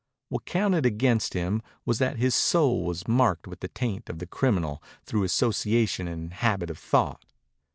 What counted against him was that his soul was marked with the taint of the criminal through association and habit of thought.